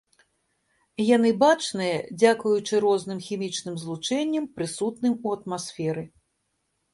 Яны бачныя дзякуючы розным хімічным злучэнням, прысутным у атмасферы.